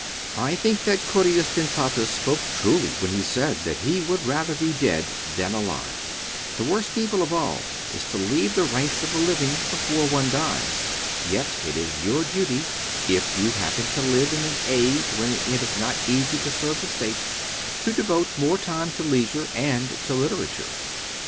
I think that Curius Dentatus spoke truly when he said that he would rather be dead than alive : the worst evil of all is to leave the ranks of the living before one dies : yet it is your duty, if you happen to live in an age when it is not easy to serve the state, to devote more time to leisure and to literature.